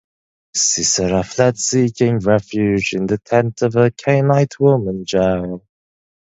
Sisera fled, seeking refuge in the tent of a Kenite woman, Jael.